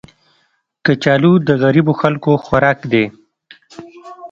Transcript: کچالو د غریبو خلکو خوراک دی